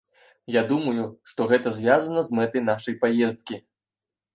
Я думаю, што гэта звязана з мэтай нашай паездкі.